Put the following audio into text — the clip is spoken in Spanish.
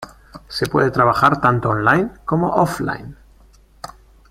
Se puede trabajar tanto online como offline.